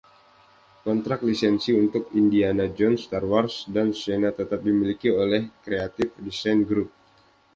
Kontrak lisensi untuk Indiana Jones, Star Wars, dan Xena tetap dimiliki oleh Creative Design Group.